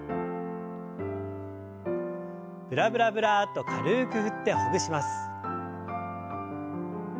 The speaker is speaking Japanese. ブラブラブラッと軽く振ってほぐします。